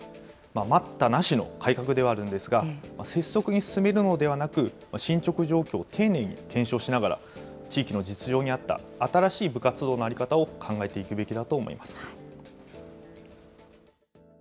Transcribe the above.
待ったなしの改革ではあるんですが、拙速に進めるのではなく、進捗状況を丁寧に検証しながら、地域の実情に合った新しい部活動の在り方を考えていくべきだと思います。